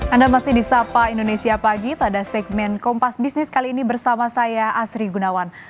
anda masih di sapa indonesia pagi pada segmen kompas bisnis kali ini bersama saya asri gunawan